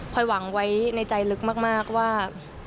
พอยหวังไว้ในใจลึกมากว่า